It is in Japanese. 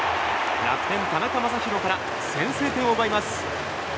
楽天、田中将大から先制点を奪います。